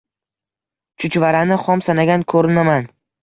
Chuchvarani xom sanagan ko`rinaman